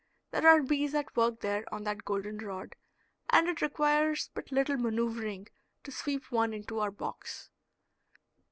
There are bees at work there on that goldenrod, and it requires but little maneuvering to sweep one into our box.